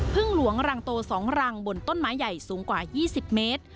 หลวงรังโต๒รังบนต้นไม้ใหญ่สูงกว่า๒๐เมตร